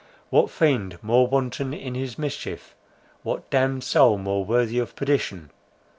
What fiend more wanton in his mischief, what damned soul more worthy of perdition!